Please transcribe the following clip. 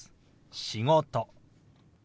「仕事」。